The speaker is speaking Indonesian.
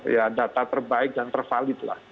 ya data terbaik dan tervalid lah